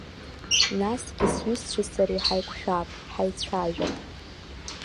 Насгьы сҩызцәеи сареи хаиқәшәап, ҳаицәажәап.